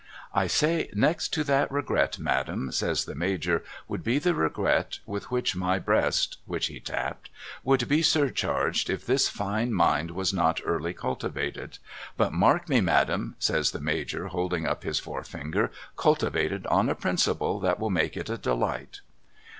'— I say next to that regret. Madam,' says the Major ' would be the regret with which my breast,' which he tapped, ' would be sur charged if this fine mind was not early cultivated. But mark me Madam,' says the Major holding up his forefinger ' cultivated on a principle that will make it a delight.'